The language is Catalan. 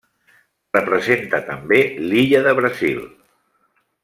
Representa també l'illa de Brasil.